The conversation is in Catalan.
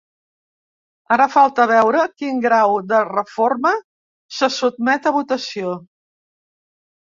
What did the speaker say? Ara falta veure quin grau de reforma se sotmet a votació.